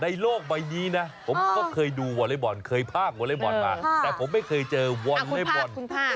โลกใบนี้นะผมก็เคยดูวอเล็กบอลเคยพากวอเล็กบอลมาแต่ผมไม่เคยเจอวอลเล็บบอล